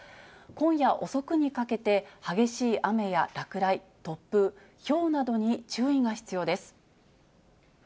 今夜遅くにかけて、激しい雨や落雷、突風、ひょうなどに注意が必要です。